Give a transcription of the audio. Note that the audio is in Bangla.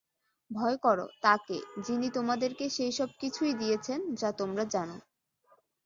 ভয় কর তাকে যিনি তোমাদেরকে সেই সব কিছুই দিয়েছেন যা তোমরা জান।